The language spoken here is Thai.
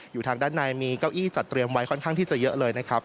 อยู่ทางด้านในมีเก้าอี้จัดเตรียมไว้ค่อนข้างที่จะเยอะเลยนะครับ